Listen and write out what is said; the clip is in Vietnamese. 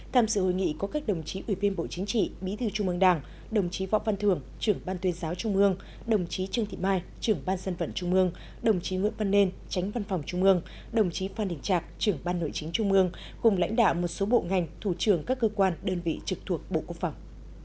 tham dự hội nghị có các đồng chí ủy viên bộ chính trị bí thư trung mương đảng đồng chí võ văn thường trưởng ban tuyên giáo trung mương đồng chí trương thị mai trưởng ban dân vận trung mương đồng chí nguyễn văn nên tránh văn phòng trung ương đồng chí phan đình trạc trưởng ban nội chính trung ương cùng lãnh đạo một số bộ ngành thủ trường các cơ quan đơn vị trực thuộc bộ quốc phòng